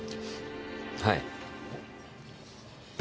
はい。